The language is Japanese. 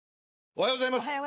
おはようございます。